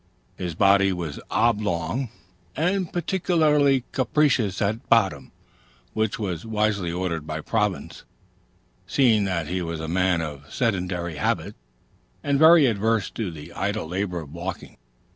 His body was oblong, and particularly capacious at bottom; which was wisely ordered by Providence, seeing that he was a man of sedentary habits, and very averse to the idle labor of walking.